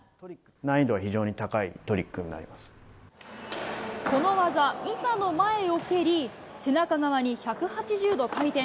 難易度が非常に高いトリックこの技、板の前を蹴り、背中側に１８０度回転。